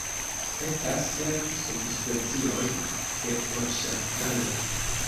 Estas sep subspecioj de orŝakalo.